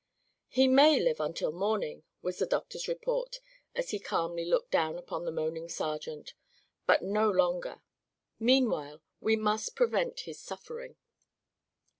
"He may live until morning," was the doctor's report as he calmly looked down upon the moaning sergeant, "but no longer. Meanwhile, we must prevent his suffering."